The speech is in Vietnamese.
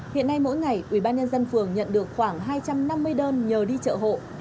hiện nay mỗi ngày ủy ban nhân dân phường nhận được khoảng hai trăm năm mươi đơn nhờ đi chợ hộ